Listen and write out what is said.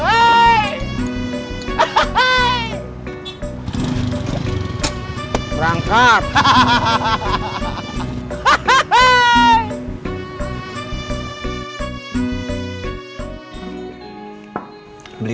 ini juga hancur beres